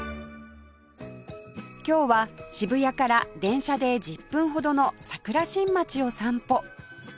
今日は渋谷から電車で１０分ほどの桜新町を散歩